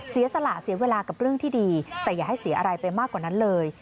เสียสละเสียเวลากับเรื่องที่ดีแต่อย่าให้เสียอะไรไปมากกว่านั้นเลย